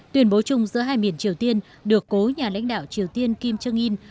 tuyên bố chung giữa hai miền triều tiên được cố nhà lãnh đạo triều tiên kim chung in